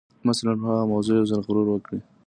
مثلاً پر هغه موضوع یو ځل غور وکړئ